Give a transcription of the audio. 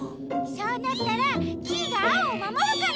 そうなったらキイがアオをまもるから！